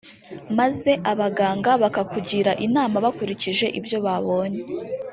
maze abaganga bakakugira inama bakurikije ibyo babonye